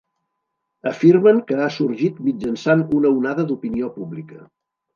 Afirmen que ha sorgit mitjançant una onada d'opinió pública.